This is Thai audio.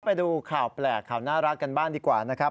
ไปดูข่าวแปลกข่าวน่ารักกันบ้างดีกว่านะครับ